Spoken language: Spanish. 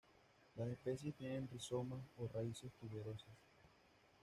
Las especies tienen rizomas o raíces tuberosas.